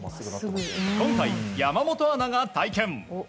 今回、山本アナが体験。